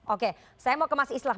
oke saya mau ke mas islah